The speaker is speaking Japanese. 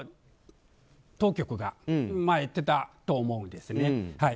当局が前言ってたと思うんですね。